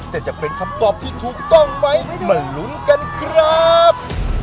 แต่จะเป็นคำตอบที่ถูกต้องไหมมาลุ้นกันครับ